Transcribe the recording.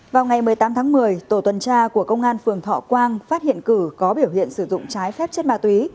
vào ngày một mươi tám tháng một mươi tổ tuần tra của công an phường thọ quang phát hiện cử có biểu hiện sử dụng trái phép chất ma túy